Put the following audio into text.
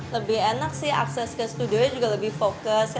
lebih enak sih akses ke studionya juga lebih fokus